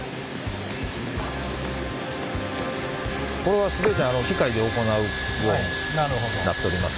これは全て機械で行うようになっております。